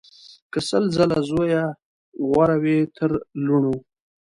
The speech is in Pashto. که سل ځله زویه غوره وي تر لوڼو